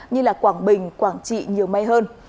như là quảng bình quảng trị nhiều may hơn